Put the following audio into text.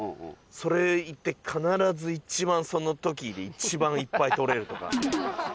それ行って必ず一番その時に一番いっぱい取れるとか。